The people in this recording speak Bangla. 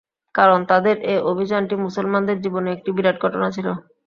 কারণ তাদের এ অভিযানটি মুসলমানদের জীবনে একটি বিরাট ঘটনা ছিল।